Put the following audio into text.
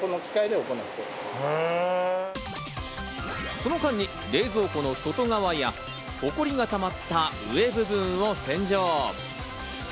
その間に冷蔵庫の外側や、ホコリがたまった上部分を洗浄。